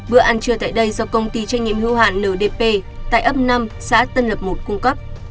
bữa ăn trưa tại đây do công ty trách nhiệm hữu hạng ndp tại ấp năm xã tân lầm một cung cấp